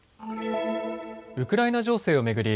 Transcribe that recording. ウクライナ情勢を巡り